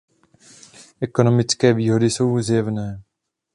Ekonomické výhody jsou zjevné.